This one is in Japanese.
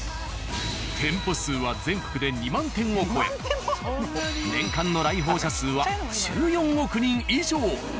店舗数は全国で２万店を超え年間の来訪者数は１４億人以上。